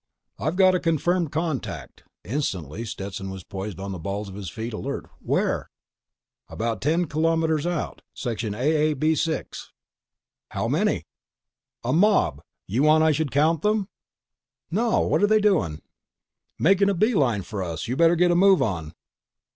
"I've got a confirmed contact." Instantly, Stetson was poised on the balls of his feet, alert. "Where?" "About ten kilometers out. Section AAB 6." "How many?" "A mob. You want I should count them?" "No. What're they doing?" "Making a beeline for us. You better get a move on."